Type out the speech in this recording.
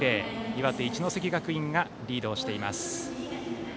岩手・一関学院がリードをしています。